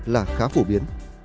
là khá phổ biến